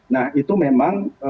nah itu memang